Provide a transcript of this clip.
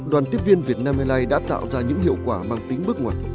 đoàn tiếp viên việt nam airlines đã tạo ra những hiệu quả mang tính bước ngoặt